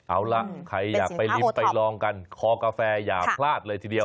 เอาล่ะใครอยากไปริมไปลองกันคอกาแฟอย่าพลาดเลยทีเดียว